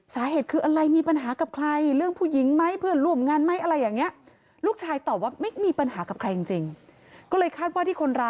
สาเหตุคืออะไรมีปัญหากับใคร